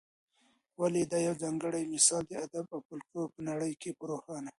ولي دا یوځانګړی مثال د ادب او فلکلور په نړۍ کي په روښانه